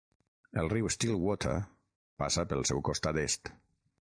El riu Stillwater passa pel seu costat est.